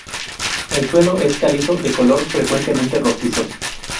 El suelo es calizo de color frecuentemente rojizo.